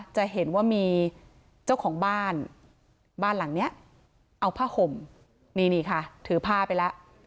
จะเห็นว่ามีเจ้าของบ้านบ้านหลังเนี้ยเอาผ้าห่มนี่นี่ค่ะถือผ้าไปแล้ว